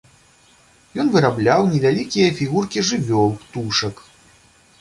Ён вырабляў невялікія фігуркі жывёл, птушак.